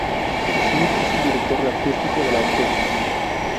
Smith es el director artístico de la orquesta.